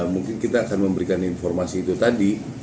mungkin kita akan memberikan informasi itu tadi